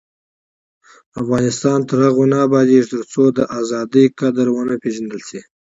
افغانستان تر هغو نه ابادیږي، ترڅو د ازادۍ قدر ونه پیژندل شي.